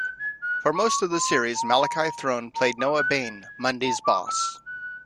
For most of the series, Malachi Throne played Noah Bain, Mundy's boss.